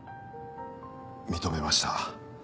認めました。